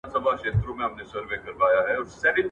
زه به د کتابتوننۍ سره مرسته کړې وي!؟